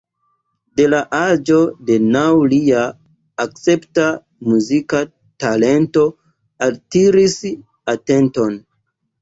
De la aĝo de naŭ lia escepta muzika talento altiris atenton.